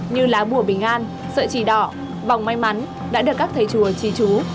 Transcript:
như lá bùa bình an sợi trì đỏ bóng may mắn đã được các thầy chùa trí chú